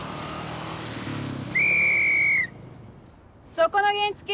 そこの原付！